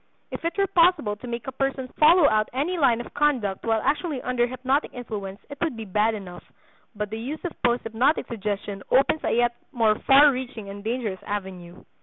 If it were possible to make a person follow out any line of conduct while actually under hypnotic influence it would be bad enough; but the use of posthypnotic suggestion opens a yet more far reaching and dangerous avenue.